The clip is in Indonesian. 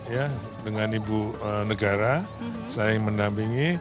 ya dengan ibu negara saya yang mendampingi